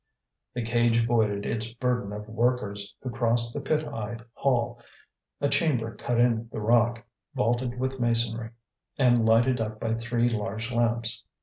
The cage voided its burden of workers, who crossed the pit eye hall, a chamber cut in the rock, vaulted with masonry, and lighted up by three large lamps.